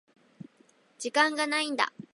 時間がないんだ。